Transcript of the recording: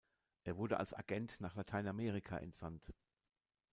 Er wurde als Agent nach Lateinamerika entsandt.